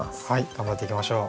頑張っていきましょう。